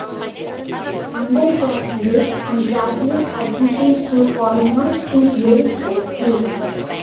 Undergraduate and graduate admission to Colmex is very selective.